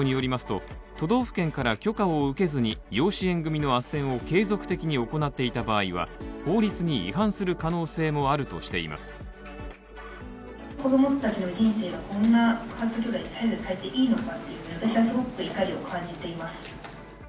厚労省によりますと、都道府県から許可を受けずに養子縁組の斡旋を継続的に行っていた場合は法律に違反する可能性もあるということです。